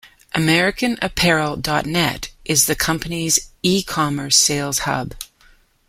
AmericanApparel.net is the company's e-commerce sales hub.